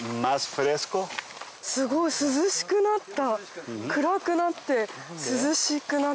すごい涼しくなった。